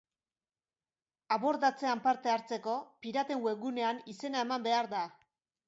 Abordatzean parte hartzeko, piraten webgunean izena eman behar da.